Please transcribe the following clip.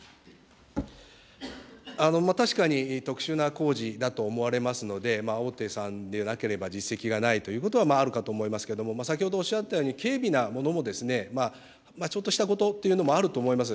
確かに特殊な工事だと思われますので、大手さんでなければ実績がないということはあるかと思いますけれども、先ほどおっしゃったように、軽微なものも、ちょっとしたことっていうのもあると思います。